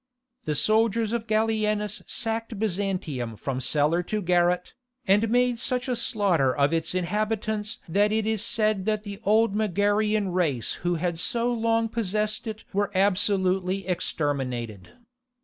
The soldiers of Gallienus sacked Byzantium from cellar to garret, and made such a slaughter of its inhabitants that it is said that the old Megarian race who had so long possessed it were absolutely exterminated.